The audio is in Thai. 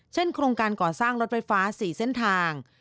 โครงการก่อสร้างรถไฟฟ้า๔เส้นทาง